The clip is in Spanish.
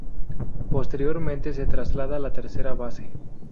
Posteriormente, se traslada a la tercera base.